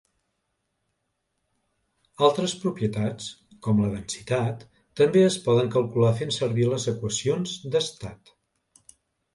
Altres propietats, com la densitat, també es poden calcular fent servir les equacions d'estat.